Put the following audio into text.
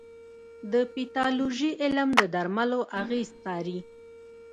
د پیتالوژي علم د درملو اغېز څاري.